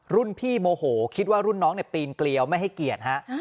รุ่นพี่โมโหคิดว่ารุ่นน้องปีนเกลียวไม่ให้เกียรติฮะ